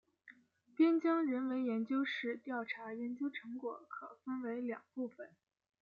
边疆人文研究室调查研究成果可分为两部分。